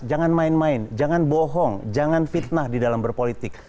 jangan main main jangan bohong jangan fitnah di dalam berpolitik